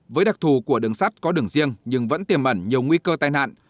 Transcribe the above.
với đặc thù của đường sắt có đường riêng nhưng vẫn tiềm ẩn nhiều nguy cơ tai nạn